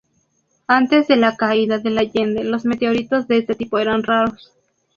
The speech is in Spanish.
Antes de la caída del Allende los meteoritos de este tipo eran raros.